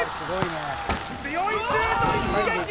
強いシュート一撃！